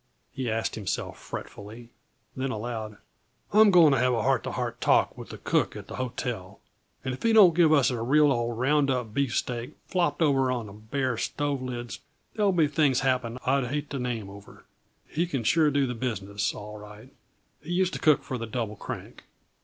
he asked himself fretfully. Then aloud: "I'm going to have a heart to heart talk with the cook at the hotel, and if he don't give us a real old round up beefsteak, flopped over on the bare stovelids, there'll be things happen I'd hate to name over. He can sure do the business, all right; he used to cook for the Double Crank.